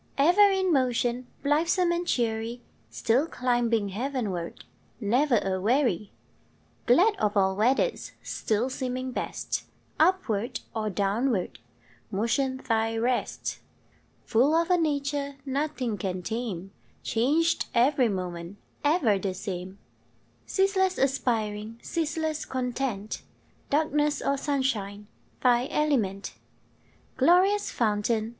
Ever in motion, Blithesome and cheery. Still climbing heavenward, Never aweary; Glad of all weathers, Still seeming best, Upward or downward, Motion thy rest; [2171 RAINBOW GOLD Full of a nature Nothing can tame, Changed every moment, Ever the same; Ceaseless aspiring, Ceaseless content, Darkness or sunshine Thy element; Glorious fountain!